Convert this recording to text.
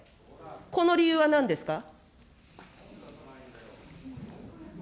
この理由はなんですか。